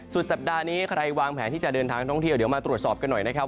สุดสัปดาห์นี้ใครวางแผนที่จะเดินทางท่องเที่ยวเดี๋ยวมาตรวจสอบกันหน่อยนะครับ